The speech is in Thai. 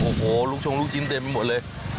โอ้โหลูกชงลูกชิ้นเต็มไปหมดเลย